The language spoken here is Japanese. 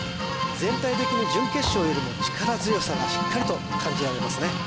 全体的に準決勝よりも力強さがしっかりと感じられますね